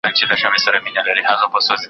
دا زړه کیسه راپاته له پلرو ده